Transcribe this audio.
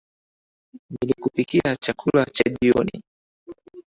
Nilikupikia chakula cha jioni.